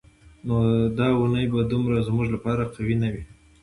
نو دا اونۍ به دومره زموږ لپاره قوي نه وي.